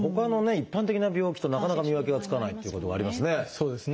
一般的な病気となかなか見分けがつかないということがありますね。